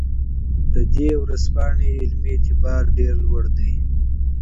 د دې ژورنال علمي اعتبار ډیر لوړ دی.